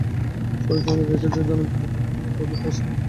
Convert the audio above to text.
সরেজমিনে দেখা যায়, ধনপোতার পুকুরপাড়ের প্রায় চার ফুট রাস্তা কেটে দেওয়া হয়েছে।